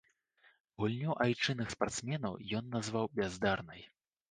Гульню айчынных спартсменаў ён назваў бяздарнай.